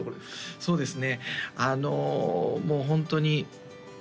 そうですよね